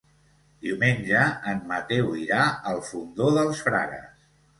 Diumenge en Mateu irà al Fondó dels Frares.